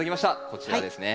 こちらですね。